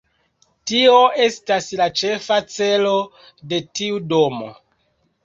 Tio estas la ĉefa celo de tiu domo.